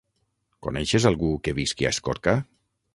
Coneixes algú que visqui a Escorca?